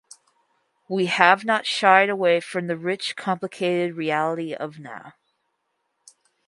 We have not shied away from the rich complicated reality of Now.